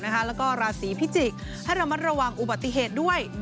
แล้วก็ราศีพิจิกษ์ให้ระมัดระวังอุบัติเหตุด้วย